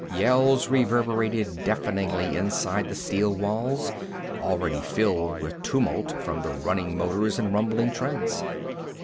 Yells reverberated deafeningly inside the steel walls, already filled with tumult from the running motors and rumbling treads.